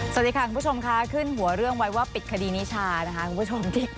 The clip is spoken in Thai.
สวัสดีค่ะคุณผู้ชมค่ะขึ้นหัวเรื่องไว้ว่าปิดคดีนิชานะคะคุณผู้ชม